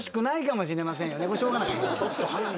これしょうがない。